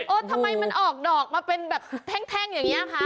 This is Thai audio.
ทำไมมันออกดอกมาเป็นแบบแท่งอย่างนี้คะ